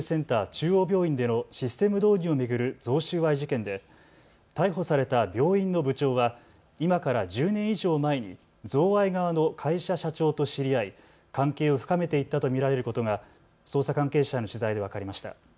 中央病院でのシステム導入を巡る贈収賄事件で逮捕された病院の部長は今から１０年以上前に贈賄側の会社社長と知り合い関係を深めていったと見られることが捜査関係者への取材で分かりました。